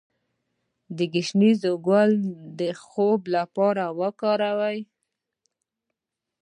د ګشنیز ګل د خوب لپاره وکاروئ